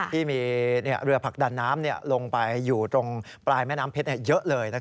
ที่มีเรือผลักดันน้ำลงไปอยู่ตรงปลายแม่น้ำเพชรเยอะเลย